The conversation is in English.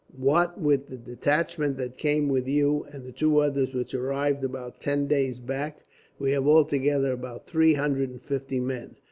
"What with the detachment that came with you, and two others which arrived about ten days back, we have altogether about three hundred and fifty men.